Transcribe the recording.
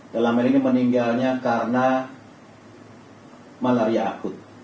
dalam hal ini meninggalnya karena malaria akut